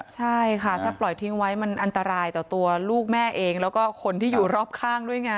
ใช่ค่ะถ้าปล่อยทิ้งไว้มันอันตรายต่อตัวลูกแม่เองแล้วก็คนที่อยู่รอบข้างด้วยไง